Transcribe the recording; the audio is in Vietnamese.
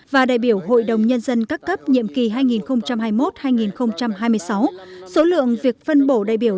và đại biểu hội đồng nhân dân các cấp nhiệm kỳ hai nghìn hai mươi một hai nghìn hai mươi sáu số lượng việc phân bổ đại biểu